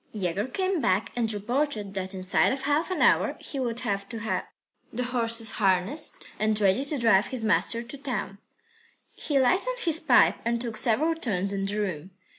III Yegor came back and reported that inside of half an hour he would have to have the horses harnessed, ready to drive his master to town. He lighted his pipe and took several turns in the room.